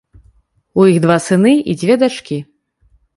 У іх два сыны і дзве дачкі.